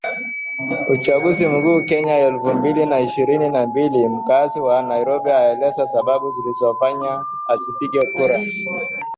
Uchaguzi Mkuu Kenya elfu mbili na ishirini na mbili Mkazi wa Nairobi aeleza sababu zilizomfanya asipige kura